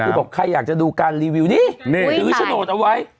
คือบอกใครอยากจะดูการรีวิวนี่ถือโฉนดเอาไว้